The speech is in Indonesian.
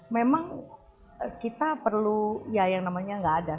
memang kita perlu ya yang namanya nggak ada